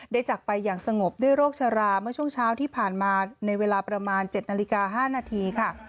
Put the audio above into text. จากไปอย่างสงบด้วยโรคชราเมื่อช่วงเช้าที่ผ่านมาในเวลาประมาณ๗นาฬิกา๕นาทีค่ะ